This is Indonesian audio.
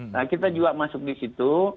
nah kita juga masuk di situ